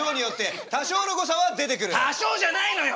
多少じゃないのよ！